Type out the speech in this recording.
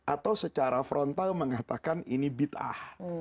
atau secara frontal mengatakan ini bid'ah